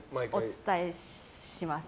お伝えします。